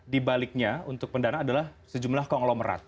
di baliknya untuk pendana adalah sejumlah konglomerat